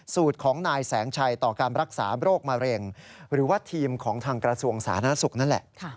สูตรของนายแสงชัยต่อการรักษาโรคมะเร็งหรือว่าทีมของทางกระทรวงสาธารณสุขนั่นแหละ